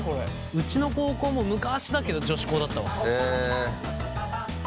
うちの高校も昔だけど女子校だったわ。